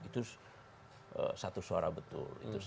itu satu suara betul